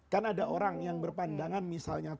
kan ada orang yang berpandangan misalnya